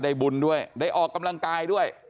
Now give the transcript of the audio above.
บุญด้วยได้ออกกำลังกายด้วย